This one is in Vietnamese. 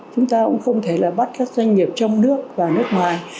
chúng ta cũng không thể là bắt các doanh nghiệp trong nước và nước ngoài